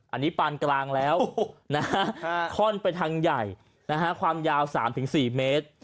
อันนี้ปานกลางแล้วค่อนไปทางใหญ่ความยาว๓๔เมตร